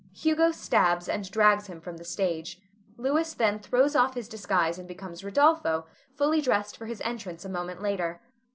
Hugo stabs and drags him from the stage. Louis then throws off his disguise and becomes Rodolpho, fully dressed for his entrance a moment later.